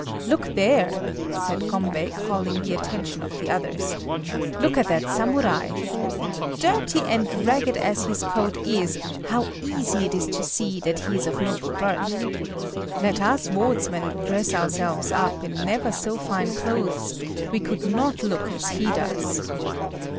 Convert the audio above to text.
"Look there!" said Gombei, calling the attention of the others; "look at that Samurai. Dirty and ragged as his coat is, how easy it is to see that he is of noble birth! Let us wardsmen dress ourselves up in never so fine clothes, we could not look as he does."